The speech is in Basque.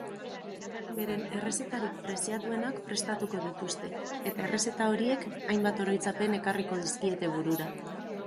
Beren errezetarik preziatuenak prestatuko dituzte eta errezeta horiek hainbat oroitzapen ekarriko dizkiete burura.